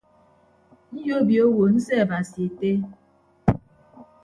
Nyobio owo nseabasi ette.